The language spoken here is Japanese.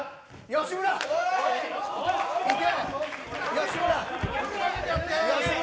吉村。